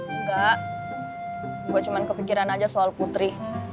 enggak gue cuma kepikiran aja soal putri